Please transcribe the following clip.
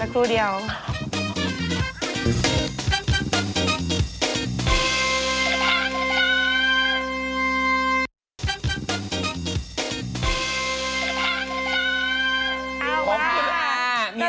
อยากดูแฟชั่นวีกค่ะคุณแม่